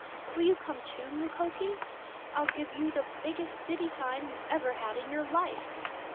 "Will you come, too, Mukoki? I'll give you the biggest 'city time' you ever had in your life!"